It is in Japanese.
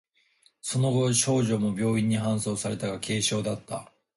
その後、少女も病院に搬送されたが、軽傷だった。